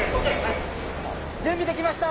準備できました！